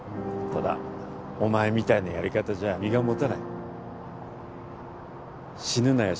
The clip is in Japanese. ただお前みたいなやり方じゃ身が持たない死ぬなよ